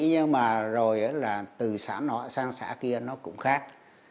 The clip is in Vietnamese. nhưng mà rồi là từ xã họ sang xã kia nó cũng khác